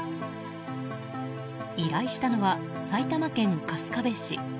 依頼したのは埼玉県春日部市。